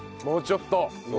もうちょっと。